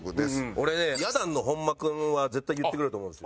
俺ねや団の本間君は絶対言ってくれると思うんですよ。